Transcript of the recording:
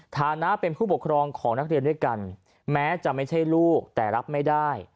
ฐานะเป็นผู้ปกครองของนักเรียนด้วยกันแม้จะไม่ใช่ลูกแต่รับไม่ได้